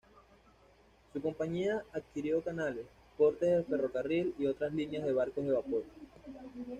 Su compañía adquirió canales, portes de ferrocarril y otras líneas de barcos de vapor.